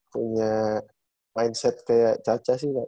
punya mindset kayak caca sih